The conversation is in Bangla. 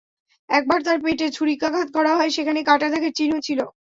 একবার তাঁর পেটে ছুরিকাঘাত করা হয়, সেখানে কাটা দাগের চিহ্ন ছিল।